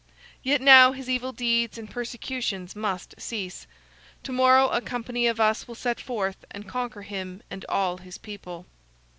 Yet now his evil deeds and persecutions must cease. To morrow a company of us will set forth and conquer him and all his people."